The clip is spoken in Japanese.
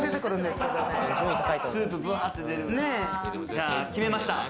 じゃあ決めました。